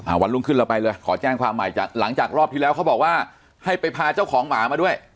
วันรุ่งขึ้นเราไปเลยขอแจ้งความใหม่จากหลังจากรอบที่แล้วเขาบอกว่าให้ไปพาเจ้าของหมามาด้วย